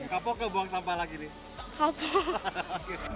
kapok ke buang sampah lagi nih